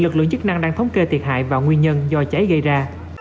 lực lượng chức năng đang thống kê thiệt hại và nguyên nhân do cháy gây ra